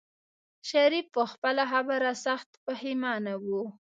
شريف په خپله خبره سخت پښېمانه و.